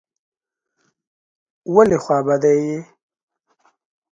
ولي خوابدی یې ؟